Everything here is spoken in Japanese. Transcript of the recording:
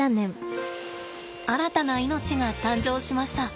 新たな命が誕生しました。